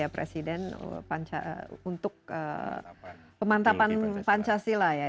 pemantapan pancasila ya